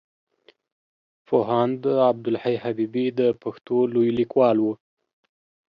پوهاند عبدالحی حبيبي د پښتو لوی ليکوال وو.